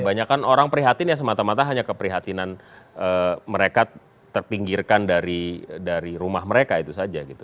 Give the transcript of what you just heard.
hanya kan orang perhatiannya semata mata hanya keprihatinan mereka terpinggirkan dari rumah mereka itu saja gitu